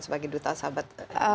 sebagai duta sahabat